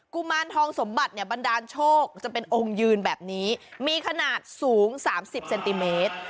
ุมารทองสมบัติเนี่ยบันดาลโชคจะเป็นองค์ยืนแบบนี้มีขนาดสูง๓๐เซนติเมตร